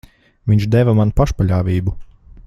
Viņš deva man pašpaļāvību.